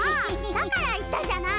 だから言ったじゃない